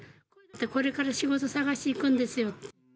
これから仕事探しにいくんですよって。